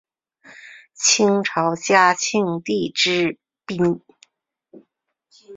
清朝嘉庆帝之嫔。